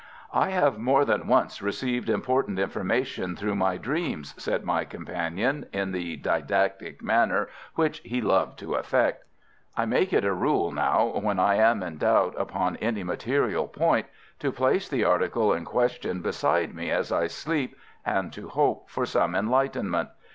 "I have more than once received important information through my dreams," said my companion, in the didactic manner which he loved to affect. "I make it a rule now when I am in doubt upon any material point to place the article in question beside me as I sleep, and to hope for some enlightenment.